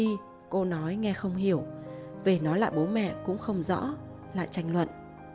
nhưng khi cô nói nghe không hiểu về nói lại bố mẹ cũng không rõ lại tranh luận